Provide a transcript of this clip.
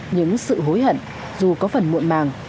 những sự hối hận dù có phần muộn màng